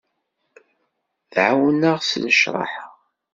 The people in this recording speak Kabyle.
Tɛawen-aɣ s lecraha.